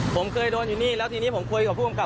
ผมเคยโดนอยู่นี่แล้วทีนี้ผมคุยกับผู้กำกับ